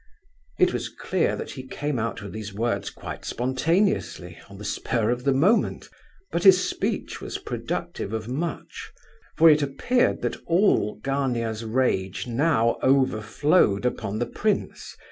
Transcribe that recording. It was clear that he came out with these words quite spontaneously, on the spur of the moment. But his speech was productive of much—for it appeared that all Gania's rage now overflowed upon the prince.